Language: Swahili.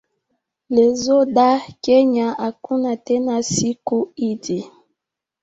Leso dha Kenya hakuna tena siku hidhi